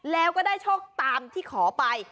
แล้วก็ได้โชคตามที่ขอไป